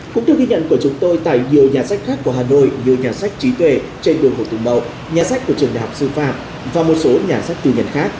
cũng theo ghi nhận của chúng tôi tại nhiều nhà sách khác của hà nội như nhà sách trí tuệ trên đường hồ tùng mậu nhà sách của trường đại học sư phạm và một số nhà sách tư nhân khác